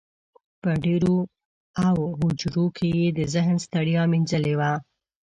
په دېرو او هوجرو کې یې د ذهن ستړیا مینځلې وه.